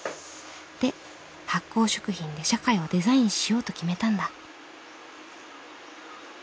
で発酵食品で社会をデザインしようと決めたんだ。